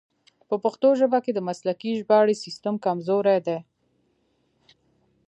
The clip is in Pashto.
په پښتو ژبه کې د مسلکي ژباړې سیستم کمزوری دی.